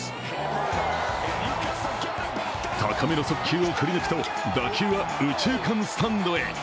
高めの速球を振り抜くと打球は右中間スタンドへ。